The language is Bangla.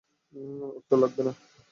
অস্ত্র লাগবে না।